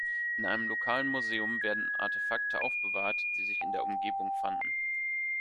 In einem lokalen Museum werden Artefakte aufbewahrt, die sich in der Umgebung fanden.